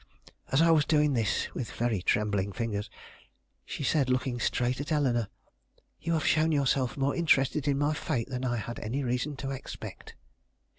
As I was doing this, with very trembling fingers, she said, looking straight at Eleanore: "You have shown yourself more interested in my fate than I had any reason to expect.